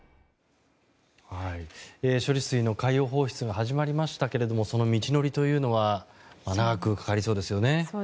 処理水の海洋放出が始まりましたけれどもその道のりというのは長くかかりそうですよね。